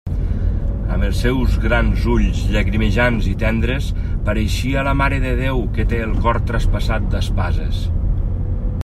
Amb els seus grans ulls llagrimejants i tendres, pareixia la Mare de Déu que té el cor traspassat d'espases.